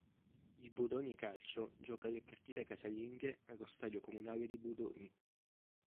Il Budoni Calcio gioca le partite casalinghe allo stadio Comunale di Budoni.